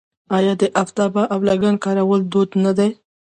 آیا د افتابه او لګن کارول دود نه دی؟